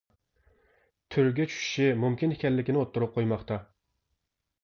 تۈرگە چۈشىشى مۇمكىن ئىكەنلىكىنى ئوتتۇرىغا قويماقتا.